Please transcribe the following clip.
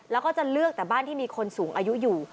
แล้วก็จะเลือกแต่บ้านที่มีคนสูงอายุอยู่